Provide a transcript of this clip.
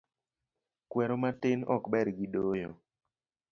Kweru matin ok ber gidoyo.